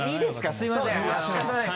すみません。